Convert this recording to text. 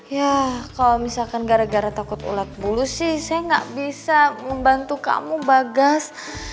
ya kalau misalkan gara gara takut ulat bulu sih saya nggak bisa membantu kamu bagas